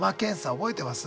覚えてます。